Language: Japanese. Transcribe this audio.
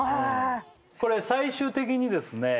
これ最終的にですね